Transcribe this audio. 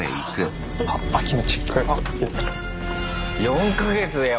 ４か月よ。